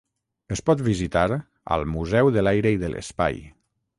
Es pot visitar al Museu de l'Aire i de l'Espai.